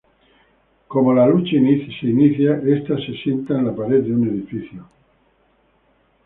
Como la lucha inicia, está se sienta en la pared de un edificio.